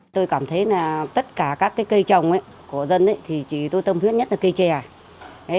tôi cảm thấy tất cả các cây trồng của dân tôi tâm huyết nhất là cây chè